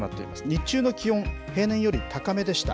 日中の気温、平年より高めでした。